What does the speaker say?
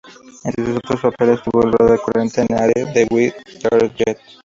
Entre sus otros papeles tuvo un rol recurrente en "Are We There Yet?